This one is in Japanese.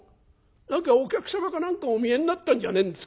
何かお客様か何かお見えになったんじゃねえんですか？